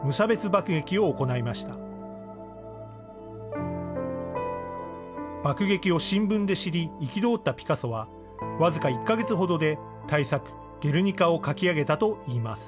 爆撃を新聞で知り憤ったピカソは僅か１か月ほどで大作、ゲルニカを描き上げたといいます。